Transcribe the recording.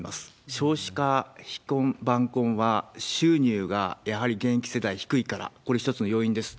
少子化、非婚、晩婚は、収入がやはり現役世代低いから、これ、一つの要因です。